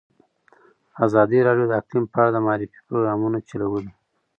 ازادي راډیو د اقلیم په اړه د معارفې پروګرامونه چلولي.